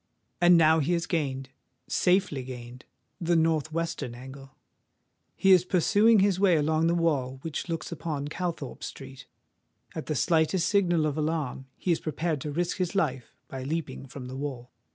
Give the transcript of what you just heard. And now he has gained—safely gained—the north western angle: he is pursuing his way along the wall which looks upon Calthorpe Street. At the slightest signal of alarm he is prepared to risk his life by leaping from the wall.